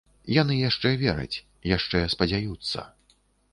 Яны яшчэ вераць, яшчэ спадзяюцца.